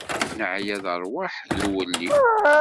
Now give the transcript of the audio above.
Neɛya deg ṛṛwaḥ d uwelli.